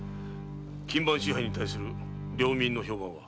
勤番支配に対する領民の評判は？